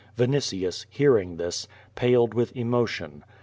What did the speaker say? Vinitius, hearing this, paled with emotion.